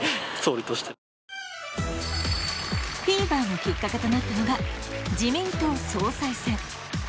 フィーバーのきっかけとなったのが自民党総裁選。